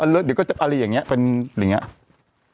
เดี๋ยวก็จะอะไรอย่างนี้เป็นอย่างนี้